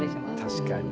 確かに。